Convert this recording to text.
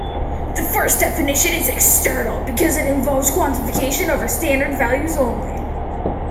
The first definition is external because it involves quantification over standard values only.